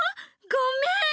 ごめん！